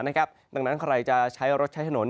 ดังนั้นใครจะใช้รถใช้ถนน